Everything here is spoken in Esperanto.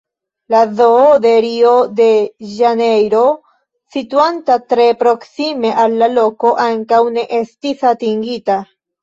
La Zoo de Rio-de-Ĵanejro, situanta tre proksime al la loko, ankaŭ ne estis atingita.